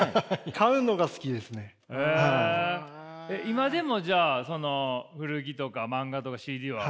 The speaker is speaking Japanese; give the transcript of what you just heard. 今でもじゃあその古着とか漫画とかＣＤは？